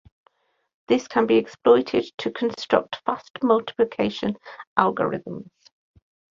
This can be exploited to construct fast multiplication algorithms.